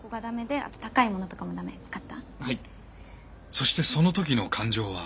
そしてその時の感情は。